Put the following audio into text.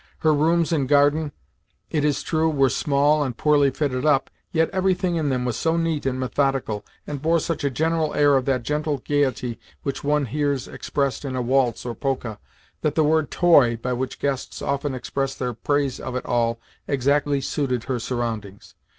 Her rooms and garden, it is true, were small and poorly fitted up, yet everything in them was so neat and methodical, and bore such a general air of that gentle gaiety which one hears expressed in a waltz or polka, that the word "toy" by which guests often expressed their praise of it all exactly suited her surroundings.